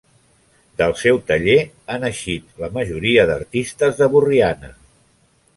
Del seu taller han eixit la majoria d'artistes de Borriana.